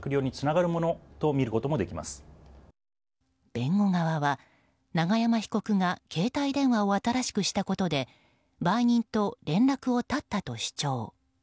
弁護側は永山被告が携帯電話を新しくしたことで売人と連絡を絶ったと主張。